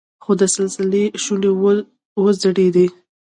خو د سلسلې شونډې وځړېدې.